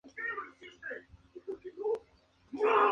Tallo ascendente hasta recto, normalmente ramificado por la base.